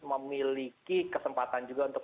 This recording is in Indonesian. memiliki kesempatan juga untuk